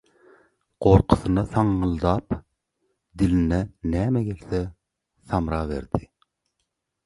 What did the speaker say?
Gorkusyna saňňyldap diline näme gelse samraberdi: